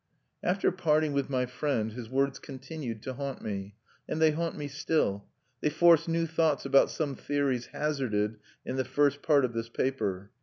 After parting with my friend, his words continued to haunt me; and they haunt me still. They forced new thoughts about some theories hazarded in the first part of this paper.